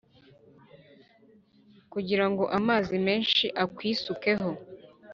Kugira ngo amazi menshi akwisukeho